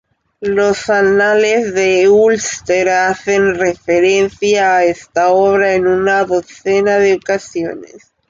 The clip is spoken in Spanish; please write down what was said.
Los anales de Ulster hacen referencia a esta obra en una docena de ocasiones.